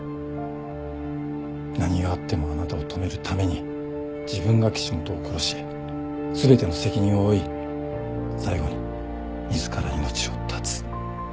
何があってもあなたを止めるために自分が岸本を殺し全ての責任を負い最後に自ら命を絶つ。